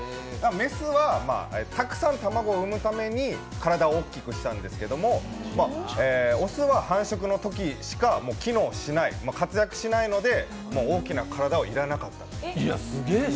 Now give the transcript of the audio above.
雌はたくさん卵を産むために体を大きくしたんですけれども、雄は繁殖のときしか機能しない、活躍しないので、大きな体は要らなかった。